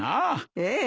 ええ。